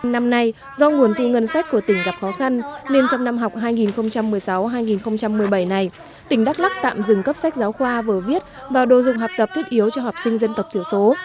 năm nay do nguồn thu ngân sách của tỉnh gặp khó khăn nên trong năm học hai nghìn một mươi sáu hai nghìn một mươi bảy này tỉnh đắk lắc tạm dừng cấp sách giáo khoa vừa viết và đồ dùng học tập thiết yếu cho học sinh dân tộc thiểu số